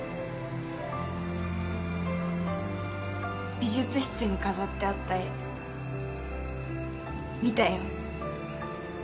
美術室に飾ってあった絵見たよ。